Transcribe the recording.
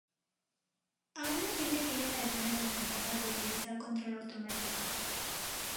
Aun así, se tienen algunas desventajas de utilizar control automático.